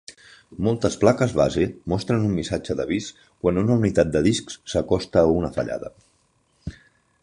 Moltes plaques base mostren un missatge d'avís quan una unitat de disc s'acosta a una fallada.